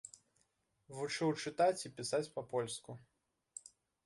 Вучыў чытаць і пісаць па-польску.